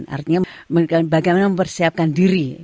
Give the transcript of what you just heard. artinya bagaimana mempersiapkan diri